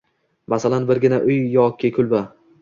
Masalan, birgina uy va yo kulba?